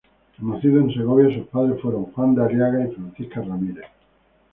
Nacido en Segovia, sus padres fueron Juan de Aliaga y Francisca Ramírez.